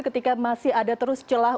ketika masih ada terus celah